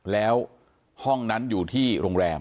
แล้วห้องนั้นอยู่ที่โรงแรม